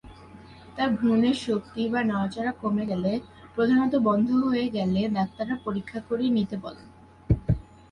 তারপরও ভ্রূণের শক্তি বা নড়াচড়া কমে গেলে, প্রধানত বন্ধ হয়ে গেলে, ডাক্তাররা পরিক্ষা করিয়ে নিতে বলেন।